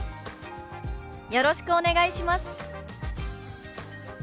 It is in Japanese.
「よろしくお願いします」。